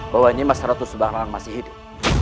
bahwa nimas ratu subang larang masih hidup